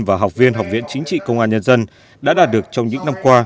và học viên học viện chính trị công an nhân dân đã đạt được trong những năm qua